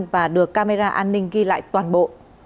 và được camera an ninh ghi lại toàn bộ